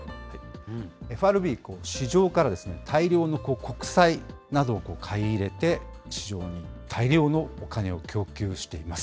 ＦＲＢ、市場から大量の国債などを買い入れて、市場に大量のお金を供給しています。